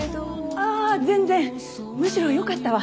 あぁ全然むしろよかったわ。